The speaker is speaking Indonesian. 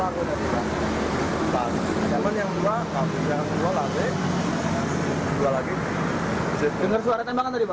dengar gak apa apa